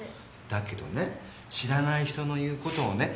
だけどね知らない人の言う事をね